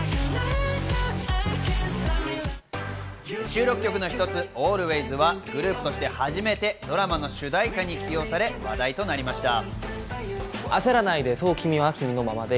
収録曲の一つ『Ａｌｗａｙｓ』はグループとして初めてドラマの主題歌に起用され、話題となりました。